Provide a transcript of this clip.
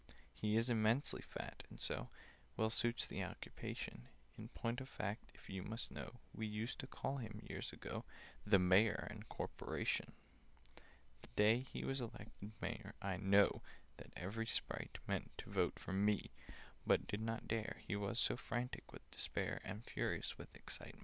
"He is immensely fat, and so Well suits the occupation: In point of fact, if you must know, We used to call him years ago, The Mayor and Corporation! [Picture: He goes about and sits on folk] "The day he was elected Mayor I know that every Sprite meant To vote for me, but did not dare— He was so frantic with despair And furious with excitement.